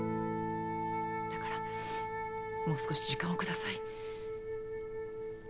だからもう少し時間をください。